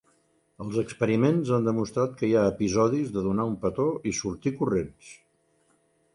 Els experiments han demostrat que hi ha episodis de donar un petó i sortir corrents.